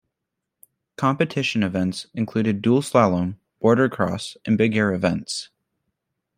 Competition events included dual slalom, boarder cross and big air events.